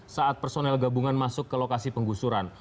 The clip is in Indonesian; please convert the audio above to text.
saat personel gabungan masuk ke lokasi penggusuran